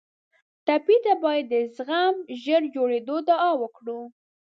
ټپي ته باید د زخم ژر جوړېدو دعا وکړو.